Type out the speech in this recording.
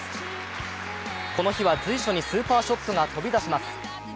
この日は随所にスーパーショットが飛び出します。